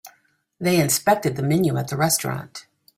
They inspected the menu at the restaurant.